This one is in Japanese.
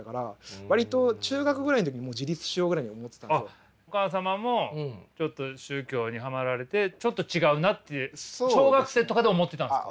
あっお母様もちょっと宗教にハマられてちょっと違うなって小学生とかで思ってたんですか。